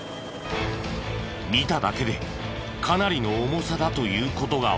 見ただけでかなりの重さだという事がわかる。